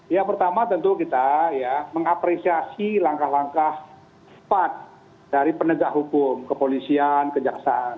yang pertama tentu kita mengapresiasi langkah langkah sepat dari penegak hukum kepolisian kejaksaan